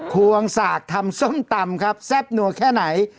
ควงสากทำส้มตำครับแซ่บนัวแค่ไหน